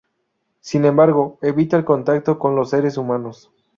Sin embargo, evita el contacto con los seres humanos.